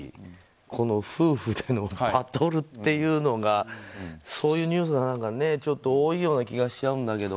この夫婦でのバトルっていうのがそういうニュースが何かちょっと多いような気がしちゃうんだけど。